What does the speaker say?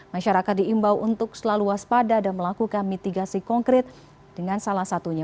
masyarakat diimbau untuk selalu waspada dan melakukan mitigasi konkret dengan salah satunya